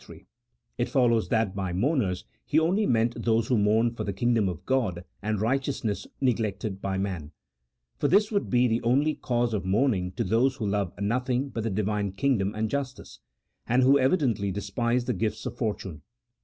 33), it follows that by mourners He only meant those who mourn for the kingdom of God and righteousness neglected by man : for this would be the only cause of mourning to those who love nothing but the Divine kingdom and justice, and who evidently despise the gifts of fortune.